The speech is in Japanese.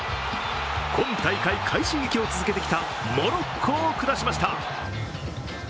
今大会、快進撃を続けてきたモロッコを下しました。